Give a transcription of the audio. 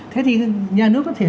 thế thì nhà nước có thể